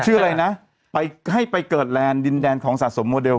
ชื่ออะไรนะไปให้ไปเกิดแลนด์ดินแดนของสะสมโมเล